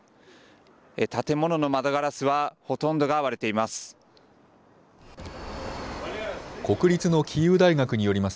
建物の窓ガラスは、ほとんどが割れています。